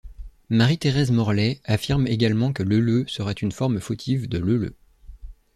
Marie-Thérèse Morlet affirme également que Leleu serait une forme fautive de Leleux.